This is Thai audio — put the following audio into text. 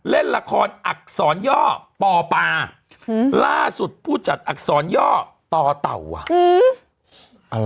เล่นละครอักษรย่อปอปาอืมล่าสุดผู้จัดอักษรย่อต่อเต่าว่ะอืม